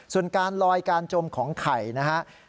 ส่วนการลอยการจมของไข่นะครับ